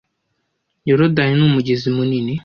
Yorodani ni umugezi munini